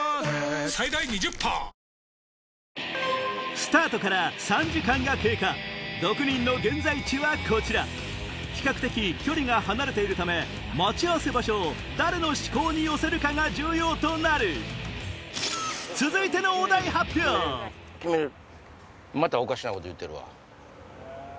スタートから３時間が経過６人の現在地はこちら比較的距離が離れているため待ち合わせ場所を誰の思考に寄せるかが重要となる続いてのまたおかしなこと言うてるわ。